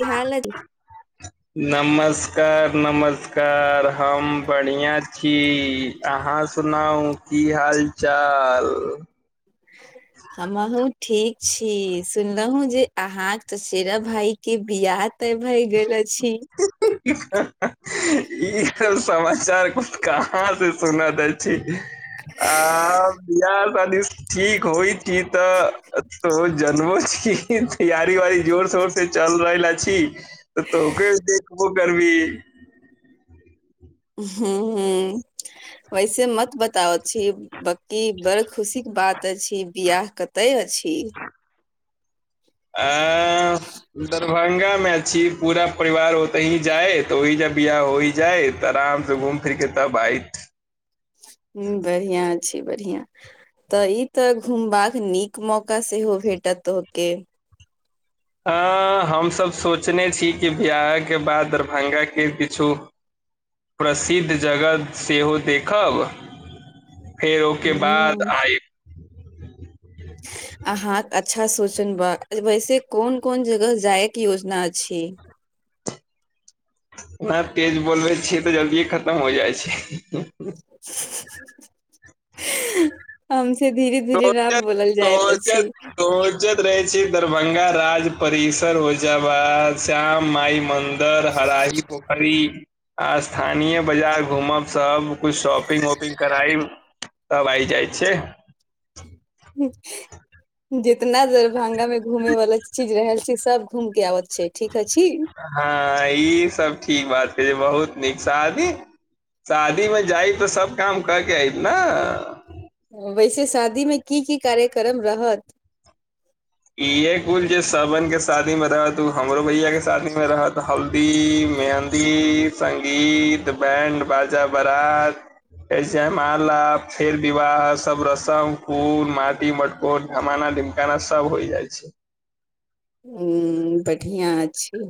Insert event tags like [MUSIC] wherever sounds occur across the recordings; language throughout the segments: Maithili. इहा ने नमस्कार नमस्कार हम बढ़िआं छी अहाँ सुनाउ की हाल चाल ह [UNINTELLIGIBLE] हमहु ठीक छी सुनलहुँ जे अहा के चचेरा भाई के बियाह ते भए गेल अछि कि [UNINTELLIGIBLE] ई समाचार कहाँ से सुना द छी आ बियाह शादी ठीक होइ छी तऽ जनबो छी तैयारी वारी जोर शोर से चल रहल छी तब त ओकरे देखो करबी हु हु वैसे मत ब बड़ खुशी के बात अछि बियाह कते अछि एह दरभंगा मे छी पूरा परिवार ओते ही जाय त ओहि ज बियाह होई जाय ते आराम से घूम आ फ्रिर क त आगत [UNINTELLIGIBLE] हू बढ़िआँ छै बढ़िआँ तऽ ई तऽ घुमबाक नीक मौका सेहो भेटत तोहके हँ हमसभ सोचने छी कि बियाह के बाद दरभंगा के किछु प्रसिद्ध जगह सेहो देखब फेर ओके बाद हूं आय अहाँ अच्छा सोचन बा वैसे कोन कोन जगह जायके योजना अछि नहि तेज बोलबै छियै तऽ जल्दीए खतम हो जाइ छै [UNINTELLIGIBLE] हम से धीरे धीरे न बोलल जाइत अछि उजद रहे छी दरभंगा राज परिसर होजाबाद श्याम माई मंदिर इधर हराही पोखरी आ स्थानीय बाजार घूमब सब कूछ शॉपिंग वॉपिंग कराइ तब आइ जाइ छिय ह [INAUDIBLE] जितना दरभंगा मे घूमे वाला चीज रहल छी सब घूम के आबैत छै ठीक ह छी हँ ई सब ठीक बात कह छै बहुत नीक शादी शादीमे जाइब त सब काम कऽके आय ने वैसे शादी मे की की कार्यक्रम रहत इे कुल जे सवन के शादी मे रहत उ हमरो भैया के शादी मे रहत हल्दी मेहदी सगीत बैंड़ बाजा बरात ऐसे जय माला फेर विवाह सब रस्म फूल माटी मट ओ डमाना डिमकाना सब होइ जाइ छै हु बढ़िआँ छी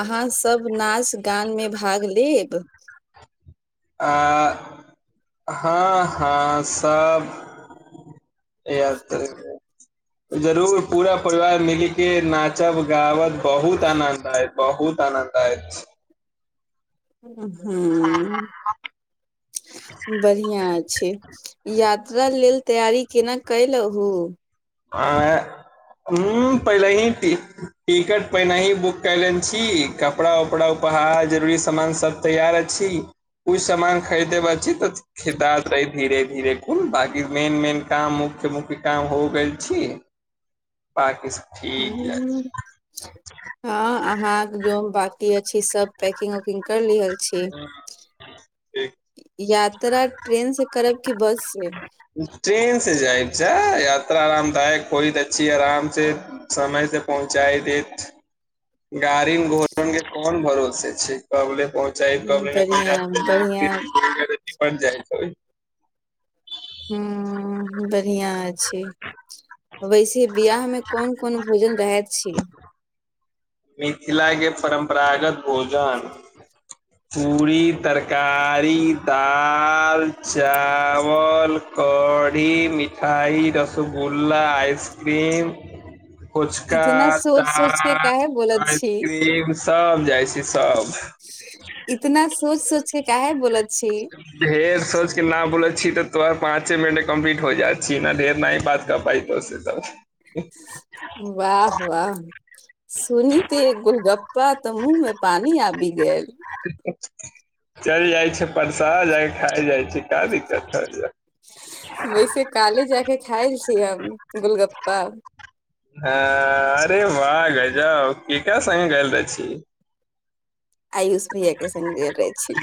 अहाँसभ नाच गानमे भाग लेब आ हँ हँ सभ यार तँ जरूर पूरा परिवार मिले नाचब गाबब बहुत आनन्द आयत अछि बहुत आनन्द अछि हूं बढ़ियाँ छै यात्रा लेल तैयारी केना कलहु आ हू पहिलहे टिकट पहिने ही बुक कलेन छी कपड़ा उपड़ा उपहार जरूरी सामान सब तैयार अछि कुछ सामान खरीदे बचल छी तऽ खेदातै धीरे धीरे कोुन बाकी मेन मेन काम मुख्य मुख्य काम हो गेल बाकि सब ठीक अछि ह अहाँ जो बाकी अछि सब पैकिंग उकिंग कर लि छी य यात्रा ट्रेन से करब कि बस से ट्रेन से जाय जा यात्रा आरामदायक होइत अछी ह आराम से समय से पहुँचायदेत गारीमे घोरेम कोन भरोसा से ठ कबले पहुँचाइ हम्म, कब ने को बढ़िया बढ़िया रासेमेप जाइ [UNINTELLIGIBLE] ह बढ़िआँ छी वैसे बियाह मे कोन कोन भोजन रहैत छी मिथिलाके परम्परागत भोजन पूड़ी तरकारी दालि चावल कढ़ी मिठाइ रसगुल्ला आइसक्रीम उचका इतना सोच सोच के कान काहे बोलत छी आइसक्रीम सब जाइ छै सब इतना सोच सोच के काहे बोल छी ढेर सोचके न बोलै छीय तऽ तो पाँच मिनट कम्पलिट हो जा छियै न ढेर नी बात कर पाइ बस त [UNINTELLIGIBLE] [UNINTELLIGIBLE] वाह वाह सुनीते गोलगप्पा तऽ मुँह मे पानी आबि गेल चल जाइ छै परसा खा जाइ छै क दिक्कत हो [UNINTELLIGIBLE] वैसे काले जाक खायल छीय हम गोलगप्पा ह अरे वाह गजउ केकरा संग गेल रहे छी आयुस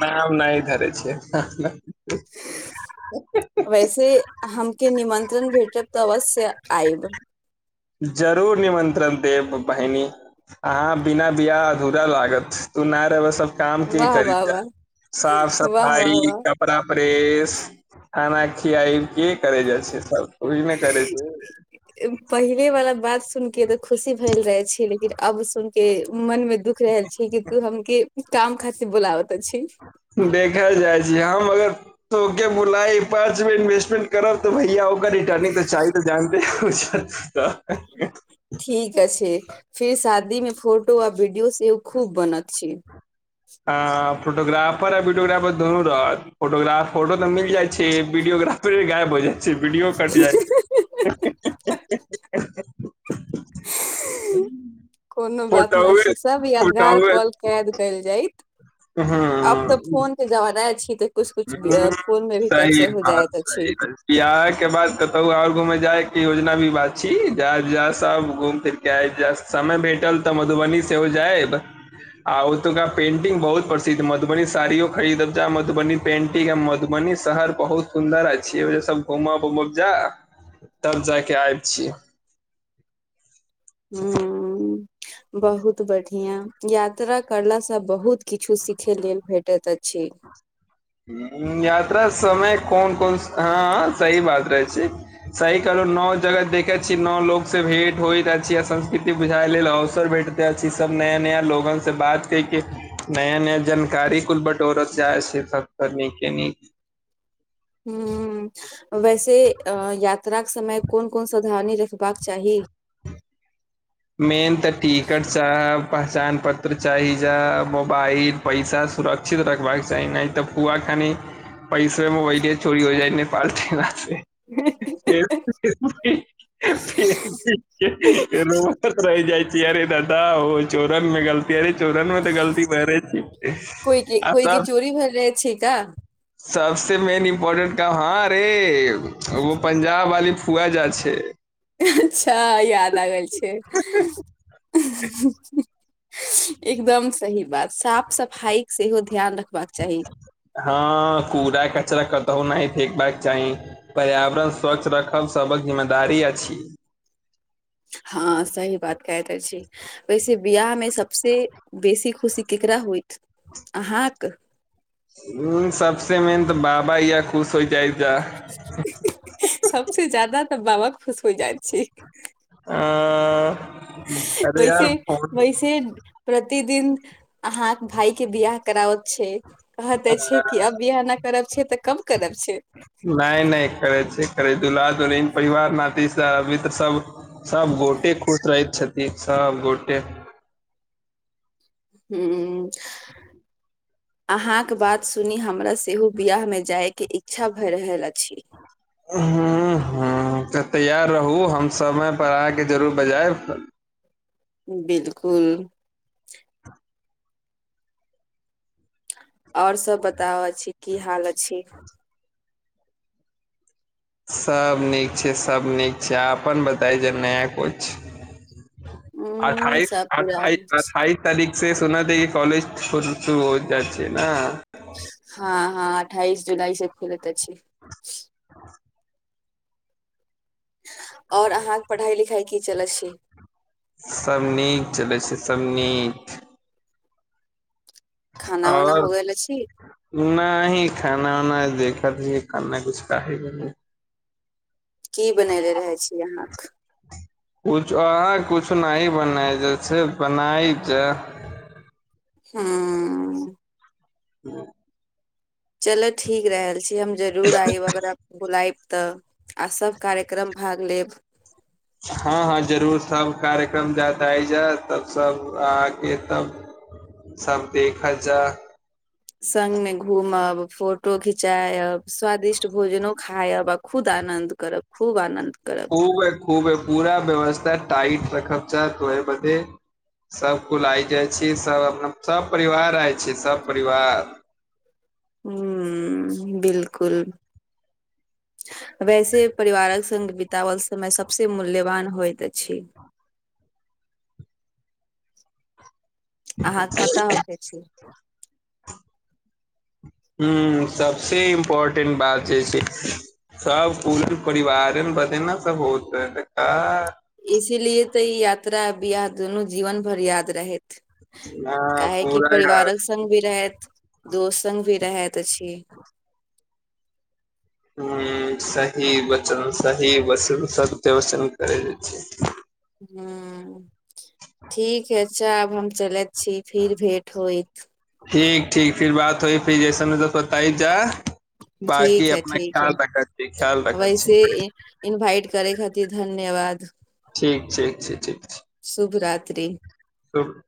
नाम नहि धरे छै वैसे हमके निमंत्रण भेटत त अवश्य आयब जरूर निमन्त्रण देब बहिनी अहाँ बिना बियाह अधूरा लागत तू नहि रहबह सब काम की वाह करी वाह त वाह साफ वाह वाह सफाइ वाह क परा परेश खाना खियाइ के करे जा छै सब ओ ने करे छै पहिले वाला बात सुन के तऽ खुशी भेल रहे छी लेकिन अब सुन के मन मे दुःख रहल छी कि तू हम के काम खातिर बोलाबत छी देखल जाइ छी हम अगर तोके बुलाइ पाँच मे इन्वेस्ट करब तऽ भैया ओ रिटर्निंग तऽ चाही त जानते ठीके छै फिर शादी में फोटो आ वीडियो से खूब बनत छै फोटोग्राफर आ वीडियोग्राफर दुनू रहत फोटोग्राफर फोटो तऽ मिल जाय छै वीडियोग्राफर फेर गायब हो जाइ छै वीडियो कट जाइ छै [UNINTELLIGIBLE] [UNINTELLIGIBLE] कोनो बात नहि फोटोए छै सब यादगार फोटोए पल कैद कयल जायत आब तऽ हँ फोन के जबाना छै ई तऽ कुछ कुछ ह फोन मे भी सही कैप्चर हो बात जायत सही अछि बात। बियाह के बाद कतहु आहा घूमे जाय के योजना भी बात छी जाय सब घूम फिर किया समय भेटल तऽ मधुबनी सेहो जायब आ ओतका पेंटिंग बहुत प्रसिद्ध मधुबनी साड़ियो खरीदब ते मधुबनी पेंटिंग मधुबनी शहर बहुत सुन्दर अछी घूम उमब जा तब जा कऽ आब छी हू बहुत बढ़िआ हिआँ यात्रा करला से बहुत किछु सीखे लेल भेटैत अछि यात्रा समय कोन कोन हँ सही बात रहै छै सही कहलू नओ जगत देखैत छी नओ लोकसँ भेट होइत अछि आ संस्कृति बुझाए लेल अवसर भेटत अथी सब नय नया लोकोगो से बात क क नया नया जानकारी कुल बट [INAUDIBLE] टोरत जाइ छै तक तऽ नीके नीक [UNINTELLIGIBLE] [UNINTELLIGIBLE] हू वैसे यात्रा के समय कोन कोन ध्यान रखबाक चाही मेन तऽ टिकट चाह पहचान पत्र चाही जा मोबाइल पैसा सुरक्षित रखबाक चाही नहि त फूआ खानी पैसे मेबाईलबे चोरी हो जाइ नेपाल गेला से [UNINTELLIGIBLE] [UNINTELLIGIBLE] रहि जाइ छी अरे दादा ओ चोरन न गलत अर चौरहनमे त [UNINTELLIGIBLE] गलती बर छी कोइ के आ कोइ त के चोरी भेल रहे छै का सबस मेन इम्पोर्टेंट काम हाँ रे वो बच पंजाब वाली फुआ जाइ छै अच्छा याद आ गेल छै एकदम सही बात साफ सफाई सेहो ध्यान रखबाक चाही हँ कूड़ा कचरा कतौ नहि फेकबाक चाही पर्यावरण स्वच्छ रखब सभक जिम्मेदारी अछि हँ सही बात कहेत अछि ओैसे बियाह मे सबसे बेसी खुशी केकरा होयत अहाँक हु सबसे मेन तऽ बाबा या खुश हो जाइ त्त सबसे जादा तऽ बाबा खुश होइ जाइत छै [UNINTELLIGIBLE] अरे यार वैसे फोन वैसे प्रतिदिन अहाँ के भाय के बियाह करावत छै कहते छै कि अब बिआह नहि करब छै तऽ कब करब छै ने ने करै छै करै दुल्हा दुल्हिन परिवार नातिसब मित्र सब सबगोटे खुश रहैत छथिन सबगोटे हू ह [INAUDIBLE] अहाँक बात सुनी हमरा सेहो बयाह मे जायके इच्छा भए रहल अछि हूँ हूँ त तैयार रहूँ हम समय पर अहाँके जरूर बजायब बिलकुल ओर सब बताब अछि की हाल अछि सब नीक छै सब नीक छै अपन बताई जा नया कुछ उ अठाइस सब पूरा अठाइस अठाइस तारख से सुनत कॉलेज शुर हो जाइ छै ने हँ हँ अठाइस जुलाई से खुलैत अछि और अहाँके पढ़ाई लिखाई की चलै छी सभ नीक चलैत छै सभ नीक खाना उना हो गेले छी न ही खाना वाना देखबही कनने नहि कुछ कहाहे की बनेनेे रहै छियै अहाँ कुछ अहाँ कुछ नहि बनाय जइ छै बनाइ जा हँ ह [INAUDIBLE] चल ठीक रहल छी हम जरूर आयब ओकरा बुलायब त आ सब कार्यक्रम भाग लेब हँ हँ जरूर सभ कार्यक्रम ज्यादा आयज तब सभ अहाँ के तब सब देखय जा संग मे घूमब फोटो घिचायब स्वादिष्ट भोजनो खायब आ खुद आनंद करब खूब आनन्द करब खूबे खूबे पूरा व्यवस्था टाइट रखब च त्वये मचे सबकु लाइ जाई छी सब अपना सब परिवार आय छी सब परिवार हूँ बिलकुल वैसे परिवारक संग बितावल समय सबसे मूल्यवान होइत अछि अहाँके पता होबे केय चहि हु सबसे इम्पोर्टेंट बात जे छै सब पूरी परिवार बते न सब होत तऽ [UNINTELLIGIBLE] इसीलिए त ई यात्रा बियाह दुनू जीवन भर याद रहे ह काहे की पूरा यार परिवारक स भी रहैत दोस्त स भी रहैत अछि हु सही वचन सही वचन सत्य वचन करे अछि हूँ ठीक है अच्छा आब हम चलैत छी फिर भेंट होइत ठीक ठीक फिर बात होइ फिर जैसे मे तो बताई जा बाकी ठीक है अपना ठीक है ख्याल रखै छी ख्याल रखै छी वैसे इनवाइट की धन्यवाद ठीक ठीक छै ठीक छै शुभ रात्रि लोक [UNINTELLIGIBLE]